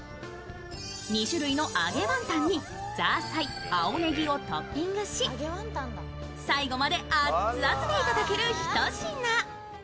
２種類の揚げワンタンにザーサイ、青ねぎをトッピングし最後まで熱々で頂けるひと品。